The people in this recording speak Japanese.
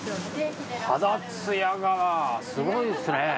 肌つやがすごいですね